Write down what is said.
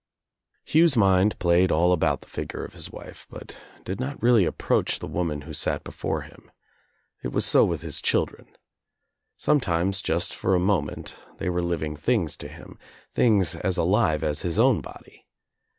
Hugh's mind played all about the figure of his wife but did not really approach the woman who sat be fore him. It was so with his children. Sometimes, just for a moment, they were living things to him, things as alive as his own body.